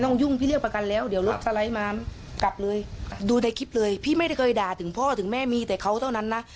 เธอไม่ได้เคยด่าถึงพ่อถึงแม่มีแต่เขาเท่านั้นนะ